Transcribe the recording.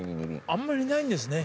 あんまりないんですね。